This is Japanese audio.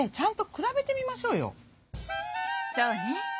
そうね。